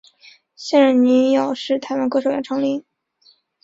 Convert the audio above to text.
现任女友是台湾歌手杨丞琳。